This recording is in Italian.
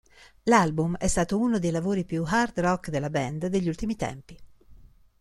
L'album, è stato uno dei lavori più hard rock della band degli ultimi tempi.